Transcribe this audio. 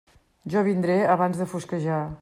Jo vindré abans de fosquejar.